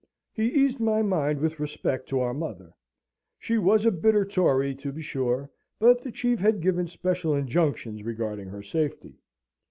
He eased my mind with respect to our mother. She was a bitter Tory, to be sure, but the Chief had given special injunctions regarding her safety.